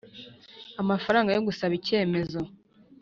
Amafaranga yo gusaba icyemezo